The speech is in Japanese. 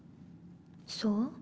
そう？